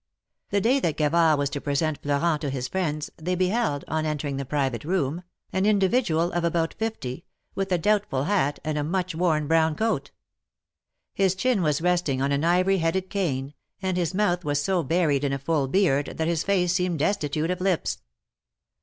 The day that Gavard was to present Florent to his friends, they beheld, on entering the private room, an individual of about fifty, with a doubtful hat and a much worn brown coat. His chin was resting on an ivory headed cane, and his mouth was so buried in a full beard that his face seemed destitute of lips.